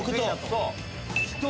そう。